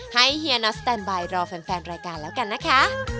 เฮียน็อสแตนบายรอแฟนรายการแล้วกันนะคะ